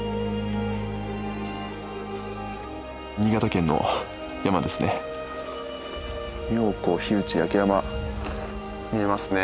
新潟県の山ですね。